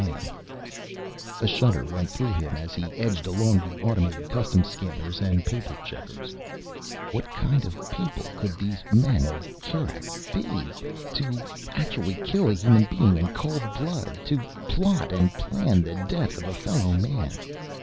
A shudder went through him as he edged along the automated customs scanners and paper checkers. What kind of people could these men of Kerak be? To actually kill a human being in cold blood; to plot and plan the death of a fellow man.